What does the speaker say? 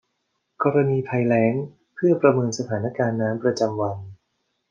กรณีภัยแล้งเพื่อประเมินสถานการณ์น้ำประจำวัน